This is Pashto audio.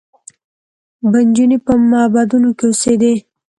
به نجونې په معبدونو کې اوسېدې